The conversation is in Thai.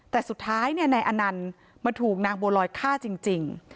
แต่สุดท้ายนายอนันต์มาถูกนางบัวลอยฆ่าจริง